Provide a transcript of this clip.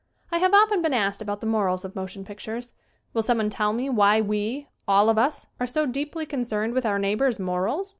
I have often been asked about the morals of motion pictures. Will someone tell me why we, all of us, are so deeply concerned with our neighbor's morals?